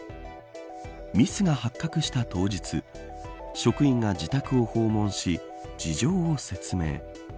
ミスが発覚した当日職員が自宅を訪問し事情を説明。